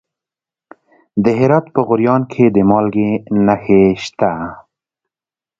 د هرات په غوریان کې د مالګې نښې شته.